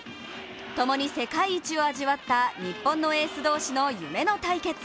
共に世界一を味わった日本のエース同士の夢の対決。